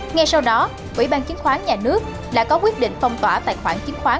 ngay sau đó quỹ ban chính khoán nhà nước đã có quyết định phong tỏa tài khoản chính khoán